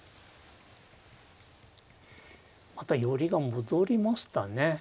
またよりが戻りましたね。